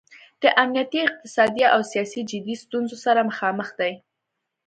د امنیتي، اقتصادي او سیاسي جدي ستونځو سره مخامخ دی.